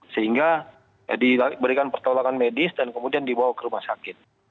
sehingga diberikan pertolongan medis dan kemudian dibawa ke rumah sakit